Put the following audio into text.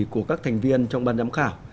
của các thành viên trong ban giám khảo